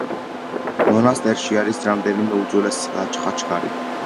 მონასტერში არის რამდენიმე უძველესი ხაჩქარი.